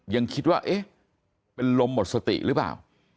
ยังคิดว่าเอ๊ะเป็นลมหมดสติหรือเปล่า